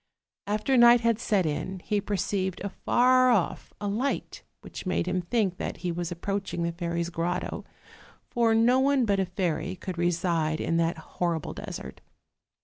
After night had set in, he perceived afar off a light, which made him think that he was approaching the fairy's grotto: for no one but a fairy could reside in that hor rible desert.